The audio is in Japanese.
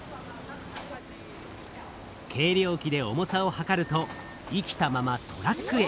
計量器で重さを量ると生きたままトラックへ。